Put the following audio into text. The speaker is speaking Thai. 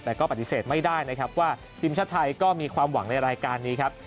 แต่ก็ปฏิเสธไม่ได้นะครับว่าทีมชาติไทยก็มีความหวังในรายการนี้ครับ